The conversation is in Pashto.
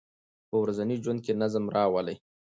په ورځني ژوند کې نظم راولئ.